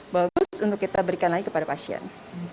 bagus untuk kita berikan lagi kepada pasien